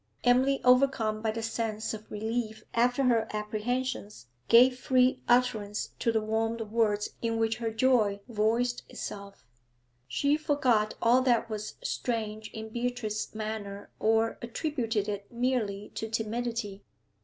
Emily, overcome by the sense of relief after her apprehensions, gave free utterance to the warm words in which her joy voiced itself. She forgot all that was strange in Beatrice's manner or attributed it merely to timidity.